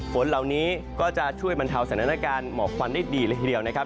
ฝนเหล่านี้ก็จะช่วยบรรเทาสถานการณ์หมอกควันได้ดีเลยทีเดียวนะครับ